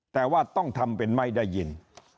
แต่ว่าต้องทำเป็นไม่ได้ยิน